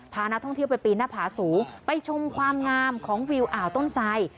พานักท่องเที่ยวไปปีนหน้าผาสูงไปชมความงามของวิวอ่าวต้นไส